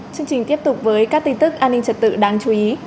chương trình tiếp tục với các tin tức an ninh trật tự đáng chú ý